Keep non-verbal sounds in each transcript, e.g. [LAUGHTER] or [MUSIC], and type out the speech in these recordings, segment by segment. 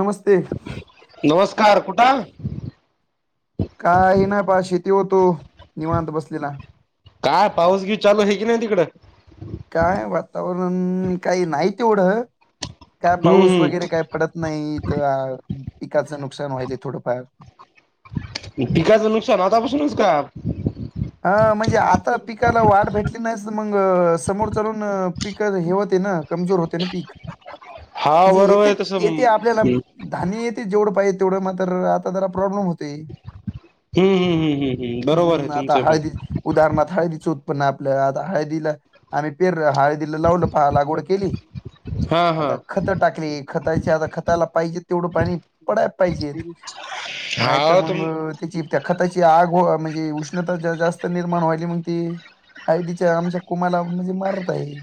नमस्ते नमस्कार कुठाय. काही बा शेती होतो निवांत बसलेला. काय पाऊस घी चालू आहे की नाही तिकड काय वातावरण काही नाही तेवढं काय पाऊस हम्म वगैरे काय पडत नाही तर पिकाचं नुकसान व्हाल थोडंफार पिकाचं नुकसान आतापासूनच का हा म्हणजे आता पिकाला वाढ भेटली नाहीच मग समोर चलून पिक हे होते ना कमजोर होते ना पीक. हा म्हणजे बरोबर येथे आहे तसं येथे आपल्याला हम्म धान्य येते जेवढं पाहिजे तेवढं मात्र आता जरा प्रॉब्लेम होतय. हम् हम् हम्म हम् हम् बरोबर आहे तुमचे पण उदाहरणात हळदीचं उत्पन्न आहे आपल आता हळदीला आम्ही पेरल हळदीला लावलं लागवड केली. हा हा आता खतं टाकली. खताची आता खताला पाहिजे तेवढं पाणी पडाय पाहिजेत नाही तर हा तुम मग त्याची त्या खताची आग हो म्हणजे उष्ण उष्णता जास्त निर्माण व्हाली मग ती हळदीच्या आमच्या कुमाला म्हणजे मारत आहे.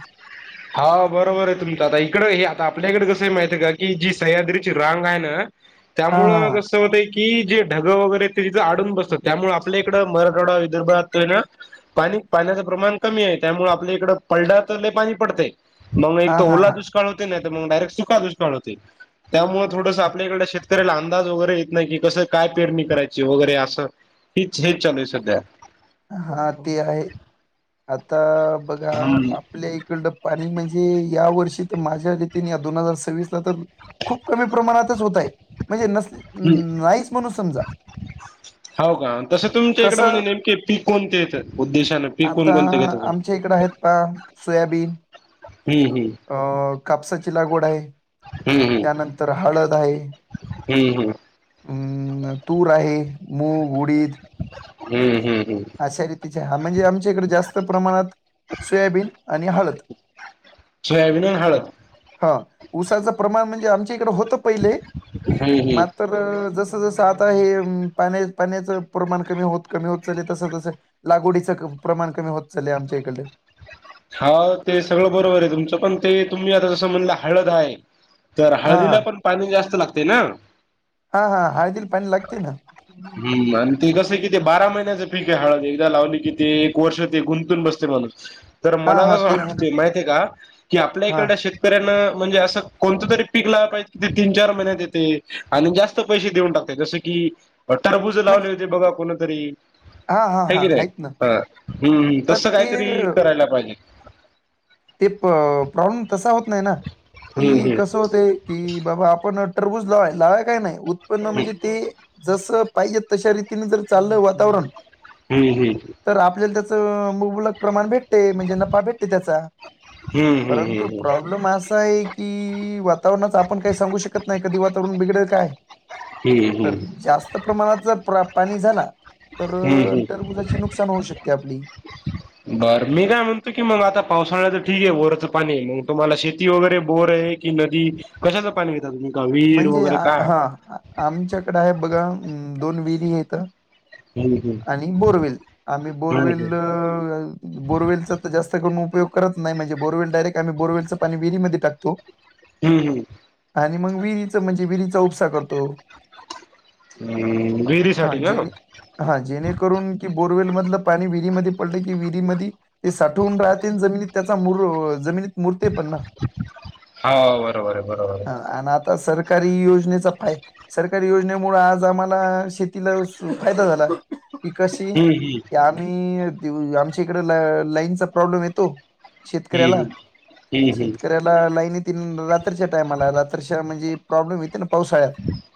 हा बरोबर आहे तुमच आता इकड हे आता आपल्याकडे कसं माहित आहे का की जी सह्याद्रीची रांग आहे ना हा त्यामुळं हा कस अस होत की जे ढगं वगैरे ते तिथं आडून बसत त्यामुळ आपल्याकडं मराठवाडा विदर्भात हे ना पाणी पाण्याचं प्रमाण कमी आहे. त्यामुळे आपल्या इकड पडला तर लई पाणी पडतय. मग हा एक तर हा ओला हा दुष्काळ होतय नाही तर मग डायरेक्ट सुका दुष्काळ होते. त्यामुळे थोडंसं आपल्याकड शेत शेतकऱ्याला अंदाज वगैरे येत नाही की कसं काय पेरणी करायची. वगैरे असं हीच हेच चालू आहे सध्या. हा ती हाय. आता बघा हा आपल्या इकड पाणी म्हणजे या वर्षी तर माझ्या रीतीने या दोन हजार सव्वीसला तर खूप कमी प्रमाणातच होतय म्हणजे नस नाहीच म्हणून समजा. हाऊ का तस तुमच्या इकड म्हणजे कसं नेमके पीक कोणते येत उद्देशान आता आमच्या इकड आहेत पहा सोयाबीन. हम्म अ कापसाची लागवड आहे. हम्म हम्म त्यानंतर हळद आहे. हम्म हम्म हम् तूर आहे मूग, उडीद हम्म हम्म हम्म अशा रीतीचे हा म्हणजे आमच्या इकड जास्त प्रमाणात सोयाबीन आणि हळद सोयाबीन आणि हळद हा उसाचं प्रमाण म्हणजे आमच्या इकड होतं पहिले हम्म हम्म तर जसं जसं आता हे पाण्या पाण्याचं प्रमाण कमी होत कमी होत चेले तस तसं लागवडीच प्रमाण कमी होत चाललंय आमच्या इकडल. हा ते सगळं बरोबर आय तुमचं पण ते तुम्ही आता जसं म्हणलं हळद हाय. तर हां, हळदीला हां. पण जास्त लागते ना? हा हा हळदील पाणी लागते ना. हम्म, आणि ते कसं हाय कि ते बारा महिन्याचं पिकं आय हळद एकदा लावली कि ते एक वर्ष ते गुंतून बसते माणूस. तर हां, मला हां. कसं ते आहे ना. वाटतंय माहिती आय का, की आपल्या हां. इकडल्या शेत कऱ्यान म्हणजे असं कोणत तरी पीक पाहिजे तीन चार महिन्यात येते आणि जास्त पैसे देऊन टाकते. जस कि टरबुज म्हणजे लावले होते बघा कुणीतरी हां, हां, का- हां. कि नाय आहेत ना. आ हम्म हम्म, तर तसं ते कायतरी करायला पाहिजे. ते प्रॉब्लेम तसा होत नाय ना की हम्म क हम्म होतय की बाबा आपण टरबूज लावा लावाय काय नाय उत्पन्न म्हणजे ते जस पाहिजे तशा रीतीने जर चाललं वातावरण हम्म हम्म. तर आपल्याला त्याचं मुबलक प्रमाण भेटते म्हणजे नफा भेटते त्याचा. हम्म हम्म हम्म हम्म हम्म परंतु प्रॉब्लेम असा आय की वातावरणाच आपण काय सांगू शकत नाय कधी वातावरण बिघडलं काय. हम्म हम्म तर जास्त प्रमाणात जर पाणी झाला हम्म हम्म टरबूजाची ची नुकसान होऊ शकते आपली. बरं मी काय? म्हणतो की मग पावसाळ्याच ठीक ए बोराचं पाणी मग तुम्हाला शेती वगैरे बोर ए की नदी कशाच? पाणी घेता तुम्ही का हिर वगैरे काय हाय? हा. आमच्याकड हाय बघा दोन विहिरी हायत. हम्म हम्म. आणि बोरवेल आम्ही हम्म बोरवेल हम्म बोरवेलचा तर जास्त करून उपयोग करत नाय म्हणजे बोरवेल डायरेक्ट आम्ही बोरवेलचा पाणी विहिरीमध्ये टकतो. हम् हम्. आणि मग विरीच म्हणजे विरीचा उपसा करतो. विहिरी साठी [UNINTELLIGIBLE] हा जेणेकरून की बोरवेल मधलं पाणी विहिरीमध्ये पडल की विहिरीमधी ते साठवून राहते. जमिनीत त्याचा मुर जमिनीत मूर्ते पण ना हा बरोबर आहे बरोबर आहे हा. अन् आ ता -सरकारी योजनेचा पाय सरकारी योजनेमुळ आज आम्हाला शेतीला फायदा झाला. ते कशी हम्म की आम्ही आमच्या इकड लाईनचा प्रॉब्लेम येतो. शेतकऱ्याला हम्म हम्म हम्म शेतकऱ्या लाईतीन रात्रीच्या टायमाला रात्रीच्या म्हणजे प्रॉब्लेम येते पावसाळ्यात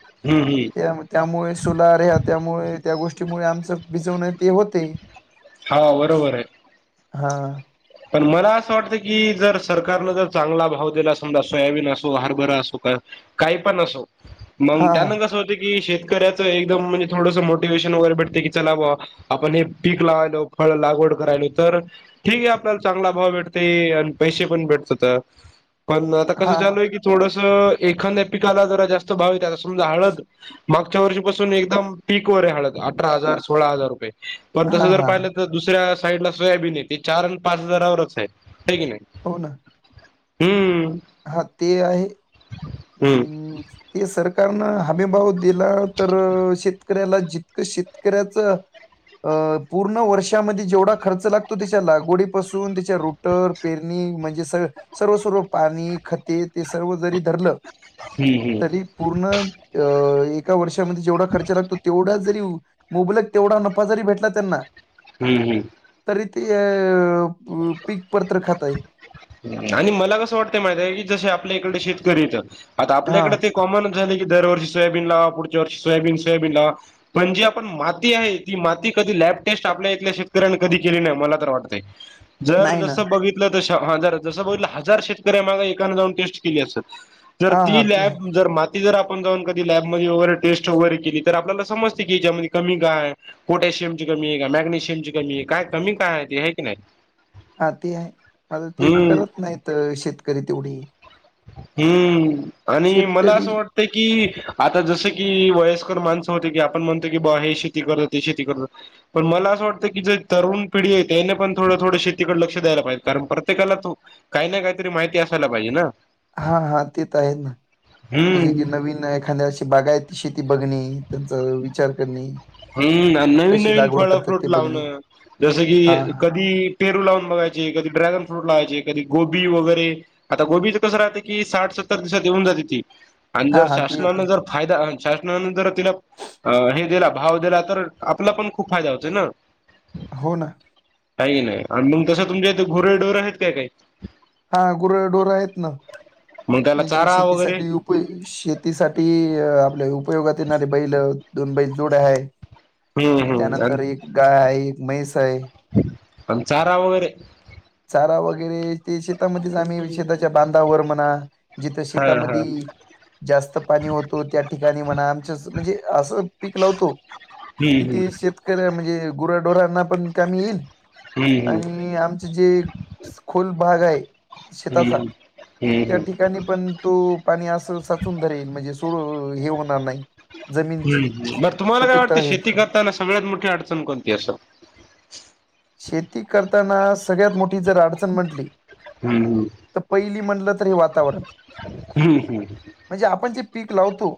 हम्म हम्म हम्म त्या त्यामुळे सोलार ह्या त्यामुळे त्या गोष्टीमुळे आमचं बिजवण ते होते. हा बरोबर आय. हा. पण मला असं वाटतं की जर सरकारनं जर चांगला भाव दिला समजा सोयाबीन असो हरभर असो, का काय पण असो मग हां, त्यांना हां. कसं होते की शेतकऱ्याचं एकदम म्हणजे थोडंसं मोटिवेशन वगैरे भेटते की चला बॉ आपण एक पीक लावायलो फळ लागवड करायलो तर ठीक ए. चांगला भाव भेटत आणि पैसे पण भेटतत. पण आता कसं हां, हां. चालू आय की थोडसं एखाद्या पिकाला जरा जास्त भाव येतय आता समजा हळत मागच्या वर्षीपासून एकदम पीक वर आहे हळद अठरा हजार सोळा हजार रुपये पण तसं हां, जर पाहिलं हां. तर दुसऱ्या साईड ला सोयाबीन येतय चार आणि पाच हजारावरच आहे की नाही. हो ना हम्म हा ते आहे हम्म ते सरकारनं हमीभाव दिला, तर शेतकऱ्याला जितकं शेतकऱ्यांचं.. अ पूर्ण वर्षांमध्ये जेवढा खर्च लागतो. त्यांच्या लागवडीपासून रोटर पेरणी म्हणजे स सर्व सर्व पाणी खते ते सर्व जरी धरलं.. हम्म तरी पूर्ण अ एका वर्षांमध्ये जेवढा खर्च लागतो, तेवढा जरी मुबलक तेवढा नफा जरी भेटला त्यांना. हम्म हम् तरी ते अ पीक [INAUDIBLE] खाता आहे. आणि मला कसं वाटतंय माहित की जसे आपल्या इकडे शेतकरीेतं आता आपल्या हां, इकडे ते.. कॉमन झालंय की दरवर्षी सोयाबीन लावा पुढच्या वर्षी सोयाबीन सोयाबीन लावा. पण जी आपण माती आहे ती माती कधी लॅब टेस्ट आपल्या इथल्या शेतकऱ्यांनी कधी केली नाही. मला तर वाटतयं ह जर जसं बघितलं तसं तर हजार जसं बघितलं हजार शेतकर्या मागं एकानें जाऊन टेस्ट केली असल जर हां, हां. ती ते आहे. लॅब जर म जर आपण जाऊन कधी लॅबमध्ये वगैरे टेस्ट वगैरे केली, तर आपल्याला समजते की यांच्यामध्ये कमी काय. पोटॅशियम ची कमी आहे का मॅग्निशियम ची कमी काय कमी काय आहे हे की नाही. हा ते आहे, मग ते हम्म. करत नाहीत शेतकरी तेवढी हम्म आणि मला शेतकरी असं वाटतं की आता जसं की वयस्कर माणसं होते की आपण म्हणतो की बा हे शेती करत ते शेती करत पण मला असं वाटतं की जे तरुण पिढी आहे त्याने पण थोडं, थोडं शेतीकडे लक्ष द्याय पाहिजे कारण प्रत्येकाला तो काहींना काहीतरी माहिती असायला पाहिजे ना हा हा ते तर आहेत ना म्हणजे हम्म की नवीन एखाद्या अशी बागायत शेती बघणे त्यांचा विचार करणे हम्म नवीन कशी नवीन लागवड फळ करतात फ्रूट ते बघणे. लावणं जसं हां, की हां. कधी पेरू लावून बघायचे कधी ड्रॅगन फ्रूट लावायचे कधी गोबी वैगेरे आता गोबीचं कसं राहतं की साठ सत्तर दिवसांत येऊन जाते ती आणि जर हां, हां. ती येते शासनाने ना. जर फायदा शासनानं जर तिला हे दिला भाव दिला तर आपला पण खूप फायदा होतोय ना हो ना काही नाही [INAUDIBLE] तुमच्या इथे गुरंढोर आहेत काय काही हा गुरढोर आहेत ना मग त्याला म्हणजे चारा वगैरे शेतीसाठी उ शेतीसाठी आपले उपयोगात येणारे बैलं दोन बैल जुड्या आहेत हम्म हम्म आणि त्यानंतर एक गाय आहे, एक म्हैस आहे. आणि चारा वगैरे चारा वगैरे ते शेतामध्येच आम्ही शेताच्या बांधावर म्हणा जिथं हा शेतांमध्ये हा जास्त पाणी होतो त्या ठिकाणी म्हणा आमचं म्हणजे असं पीक लावतो. कि हम्म ते हम्म शेतकऱ्या म्हणजे गुराढोरांना पण कामी येईल हम्म हम्म आणि आमचं जे खुल भाग आहे. शेताचा हम्म हम्म त्या हम्म ठिकाणी पण तो पाणी असं साचून धरेल म्हणजे सोड हे होणार नाही हम्म, जमीनची हम्म बर सु- तुम्हाला काय वाटत सुपीकता हे शेती करताना सगळ्यात मोठी अडचण कोणती असं? शेती करताना सगळ्यात मोठी जर अडचण म्हटली हम्म, तर पहिली म्हटलं तर हे वातावरण हम्म. म्हणजे आपण जे पीक लावतो.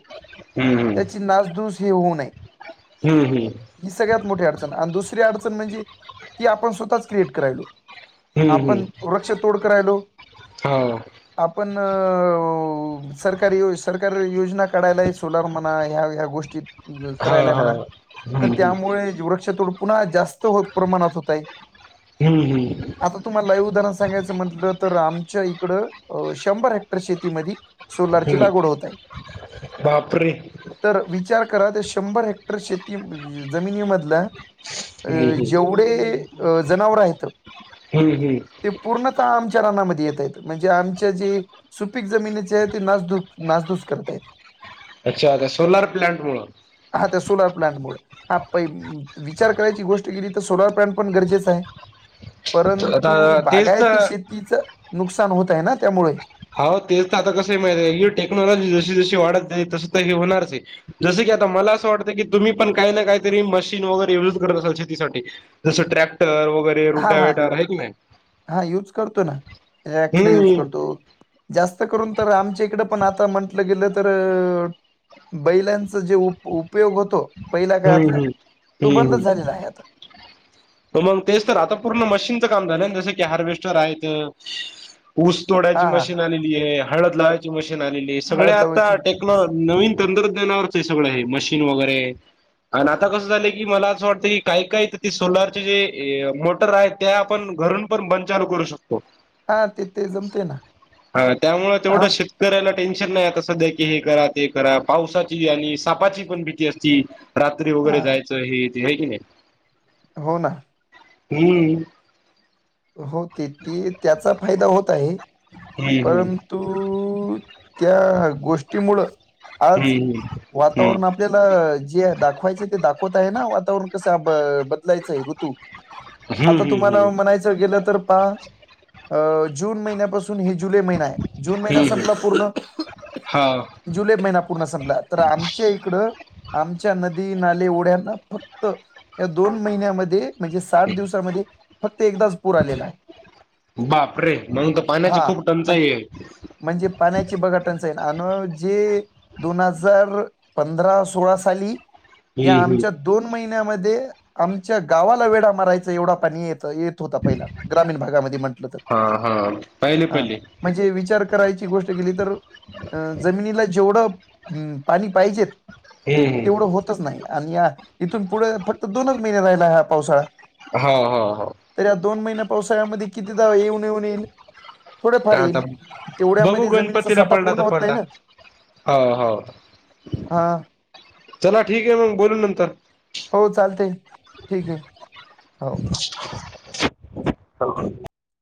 हम्म, हम्म. त्याची नासधूस ही होऊ नये. हम्म, हम्म. ही सगळ्यात मोठी अडचण आणि दुसरी अडचण म्हणजे ती आपण स्वतःच क्रिएट करायलो हम्म, हम्म. आपण वृक्ष तोड करायलो. हां, आपण अ ओ ओ सरकारी, सरकार योजना काढायला आहे सोलार म्हणा ह्या ह्या गोष्टीत. करायलाय हां, म्हणा हां. तर हम्म, हम्म. त्यामुळे वृक्षतोड पुन्हा जास्त प्रमाणात होतय. हम्म, हम्म. आता तुम्हाला लाईव्ह उदाहरण सांगायचं म्हटलं तर आमच्या इकडं शंभर हेक्टर शेतीमध्यी सोलारची हम्म. लागवड होत आहे. बापरे! [INAUDIBLE] तर विचार करा त्या शंभर हेक्टर शेती जमिनीमधला हम्म, हम्म. पुढे जनावर आहेत. हम्म, हम्म. ते पूर्णतः आमच्या रनामध्ये येतात आहेत म्हणजे आमचे जे सुपीक जमिनीचे आहे ते नासधूस, नासधूस करताय. अच्छा, त्या सोलार प्लंट मुळ. हा त्या सोलार प्लांट मुळे हा प विचार करायची गोष्ट केेली सोलर प्लॅन पण गरजेच आहे परंतु आता तेच बागायती तर शे तिचं नुकसान होत आहे ना त्यामुळे. हो तेच तर आता कसं माहित आहे टेक्नॉलॉजी जशी, जशी वाढत जाईल तसत हे होणारच आहे. जसं की आता मला असं वाटतं की तुम्ही पण काही ना काहीतरी मशीन वगैरे युज करत असाल शेतीसाठी. जसं ट्रॅक्टर वगैरे हा रुटा हा वेटार आहे की नाही? हा यूज करतो ना ट्रॅक्टर हम्म यूज हम्म करतो. जास्त करून तर आमच्या इकडं पण आता म्हंटलं गेलं तर बैलांचा जे उप उपयोग होतो पहिल्या काळातला हम्म तो हम्म बंदच झालेला आहे आता. मग तेच तर आता पूर्ण मशीनचं काम झालं जसं की हार्वेस्टर आहेत ऊस तोडायची हा हा मशीन आलेली आहे, हळद लावायची मशीन आलेली आहे सगळे हळद आता लावायची टे आपलं नवीन तंत्रज्ञानावरच हे सगळं आहे मशीन वगैरे आणि आता कसं झालंय की मला असं वाटतंय की काय, काय तर ते सोलर चे जे ए मोटर आहे त्या आपण घरून पण बंद चालू करू शकतो. हा ते ते जमते ना हा त्यामुळं हा तेवढं शेत कऱ्याला टेन्शन नाही आता सध्या की हे करा ते करा पावसाची आणि सापाची पण भीती असती. रात्री हा वगैरे जायचं हे ते होय की नाही. हो ना. हम्म. हो ती, ती त्याचा फायदा होत आहे. हम्म हम्म परंतु त्या गोष्टीमुळं आज हम्म हम्म वातावरण आपल्याला जे दाखवायचं ते दाखवत आहे ना वातावरण कसं ब बदलायचं तू हम्म आता हम्म हम्म तुम्हाला म्हणायचं त गेलं तर पहा अ जून महिन्यापासून हे जुलै महिना आहे. जून महिना हम्म संपला पूर्ण हा जुलै महिना पूर्ण संपला तर आमच्या इकडं आमच्या नदी नाले ओढ्यांना फक्त या दोन महिन्यामध्ये म्हणजे साठ दिवसामध्ये फक्त एकदाच असतो बाप रे मग तर पाण्याची हा खूप म्हण- टंचाई आहे. म्हणजे पाण्याची बघा टंचाई अन जे दोन हजार पंधरा सोळा साली या हम्म हम्म आमच्या दोन महिन्यामध्ये आमच्या गावाला वेडा मारायचा एवढा पाणी येत येत होत. पहिला ग्रामीण भागामध्ये म्हंटलं तर हा हा पहिले हा. पहिले म्हणजे विचार करायची गोष्ट केेली तर अ जमिनीला जेवढं हम्म पाणी पाहिजेत हम्म तेवढं हम्म होतच नाही आहे. आणि या इथून पुढे फक्त दोनच महिने राहिलाय हा पावसाळा. हो हो हो तर या दोन महिन्या मध्ये पावसाळ्यामध्ये किती दा येऊन येऊन येईल. थोडफार आता येईल बघू तेवढ्यामध्ये जमिनीचा साठा पूर्ण होत नाही ना. हा हा हा हा चला ठीक आहे मग बोलू नंतर. हो चालतंय ठीक आहे हो हॅलो [UNINTELLIGIBLE]